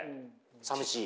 さみしい？